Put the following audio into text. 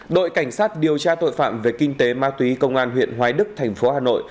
đội cảnh sát điều tra tội phạm về kinh tế ma túy công an huyện hoái đức thành phố hà nội